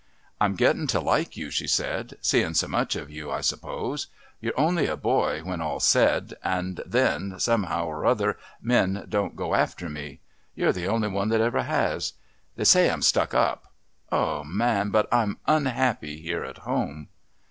"I'm gettin' to like you," she said. "Seein' so much of you, I suppose. You're only a boy when all's said. And then, somehow or another, men don't go after me. You're the only one that ever has. They say I'm stuck up... Oh, man, but I'm unhappy here at home!"